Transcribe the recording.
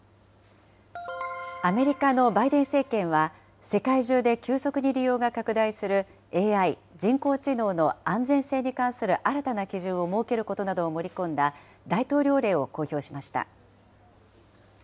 アメリカのバイデン政権は、世界中で急速に利用が拡大するＡＩ・人工知能の安全性に関する新たな基準を設けることなどを盛り込んだ大統領令を公表しました。